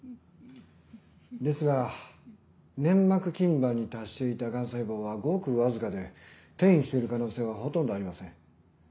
ですが粘膜筋板に達していた癌細胞はごくわずかで転移している可能性はほとんどありません。